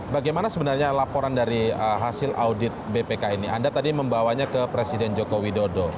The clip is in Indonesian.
bagaimana sebenarnya laporan dari hasil audit bpk ini anda tadi membawanya ke presiden joko widodo